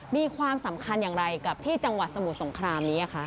มีความสำคัญอย่างไรกับที่จังหวัดสมุทรสงครามนี้